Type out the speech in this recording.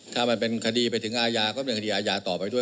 ถ้ามันเป็นคดีไปถึงอาญาก็เป็นคดีอาญาต่อไปด้วย